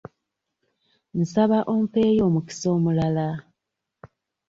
Nsaba ompeeyo omukisa omulala.